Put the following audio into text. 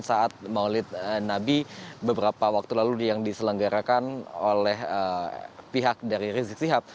saat maulid nabi beberapa waktu lalu yang diselenggarakan oleh pihak dari rizik sihab